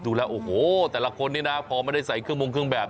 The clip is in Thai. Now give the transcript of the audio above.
ดูแล้วโอ้โหแต่ละคนนี้นะพอไม่ได้ใส่เครื่องมงเครื่องแบบ